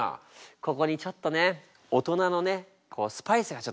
ここにちょっとね大人のねスパイスがちょっと入ってるわけだな。